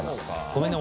ごめんね。